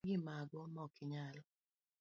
weri gimago ma okinyal.